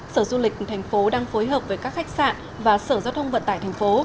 sở du lịch thành phố đang phối hợp với các khách sạn và sở giao thông vận tải thành phố